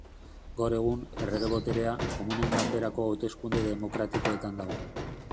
Gaur egun, errege boterea, Komunen Ganberako hauteskunde demokratikoetan dago.